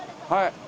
はい。